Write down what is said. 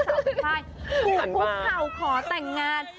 หัวคุกเข่าขอแต่งงาน